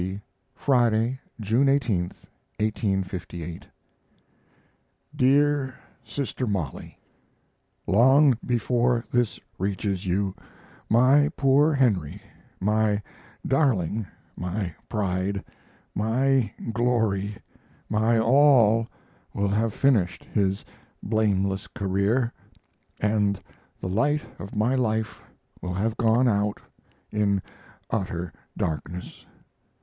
Friday, June 18, 1858. DEAR SISTER MOLLIE, Long before this reaches you my poor Henry my darling, my pride, my glory, my all will have finished his blameless career, and the light of my life will have gone out in utter darkness.